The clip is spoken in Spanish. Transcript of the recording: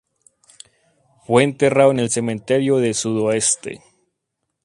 Fue enterrado en el cementerio del Sudoeste.